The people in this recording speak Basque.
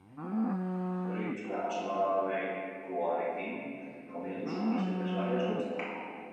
Horiek itxura axolagabeagoarekin konbinatuz kontraste interesgarria sortzen da.